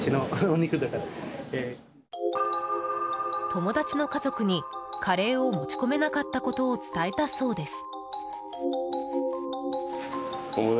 友達の家族にカレーを持ち込めなかったことを伝えたそうです。